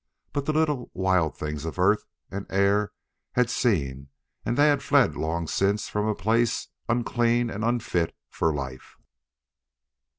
But the little, wild things of earth and air had seen, and they had fled long since from a place unclean and unfit for life.